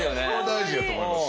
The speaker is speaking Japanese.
大事やと思います。